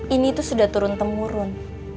ini itu sudah turun temurun